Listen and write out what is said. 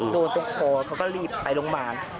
โดนตรงคอเขาก็รีบไปลงบาน